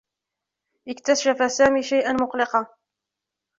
اكتشف سامي شيئا مقلقا.